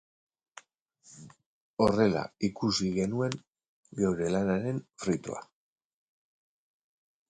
Horrela ikusi genuen geure lanaren fruitua.